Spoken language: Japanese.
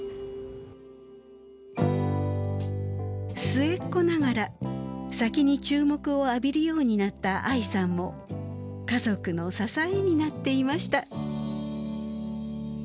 末っ子ながら先に注目を浴びるようになった藍さんも家族の支えになっていました。